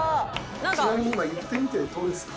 ちなみに今言ってみてどうですか？